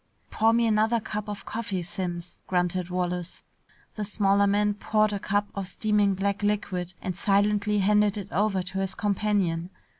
"Pour me another cup of coffee, Simms," grunted Wallace. The smaller man poured a cup of steaming black liquid and silently handed it over to his companion.